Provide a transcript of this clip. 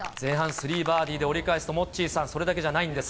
３バーディーで折り返すとモッチーさん、それだけじゃないんです。